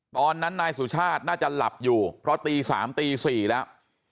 ตอนนั้นนายสุชาติน่าจะหลับอยู่เพราะตี๓ตี๔แล้ว